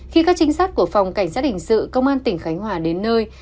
khi các trinh sát của phòng cảnh sát hình sự công an tỉnh khánh hòa đến nơi